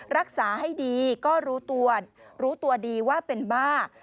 รักษาให้ดีก็รู้ตัวรู้ตัวดีว่าเป็นบ้า